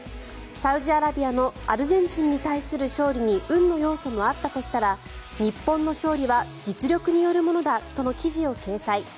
サウジアラビアのアルゼンチンに対する勝利に運の要素もあったとしたら日本の勝利は実力によるものだという記事を掲載。